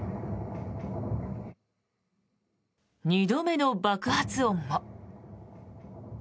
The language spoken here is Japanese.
２度目の爆発音も。